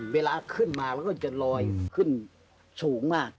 เวลาขึ้นมามันก็จะลอยขึ้นสูงมาก